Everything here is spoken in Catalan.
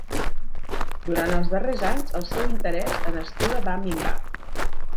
Durant els darrers anys el seu interès en escriure va minvar.